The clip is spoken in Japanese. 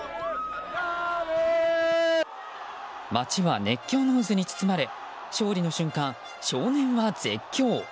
街は熱狂の渦に包まれ勝利の瞬間、少年は絶叫。